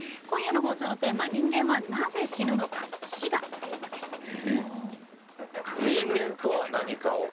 今夜の放送テーマは人間はなぜ死ぬのか死がテーマです。